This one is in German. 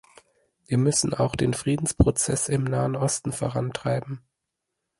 Wir müssen auch den Friedensprozess im Nahen Osten vorantreiben.